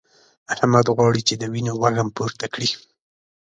احمد غواړي چې د وينو وږم پورته کړي.